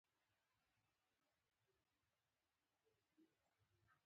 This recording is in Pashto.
موږ په سطحي کارونو لګیا یو.